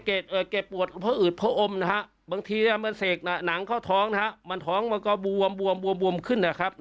เหมือนแก์ปวดพออืดพออมบางทีเสกหนังเขาท้องก็ถ้องก็บวมขึ้นซะครับ